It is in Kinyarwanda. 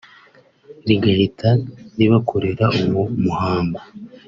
rigahita ribakorera uwo muhango